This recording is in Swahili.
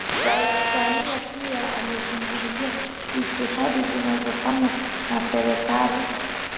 Rais Samia pia amezungumzia jitihada zinazofanywa na Serikali